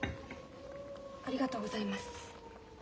ありがとうございます。